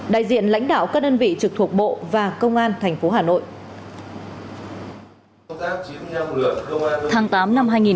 đại diện lãnh đạo các đơn vị trực thuộc bộ và công an thành phố hà nội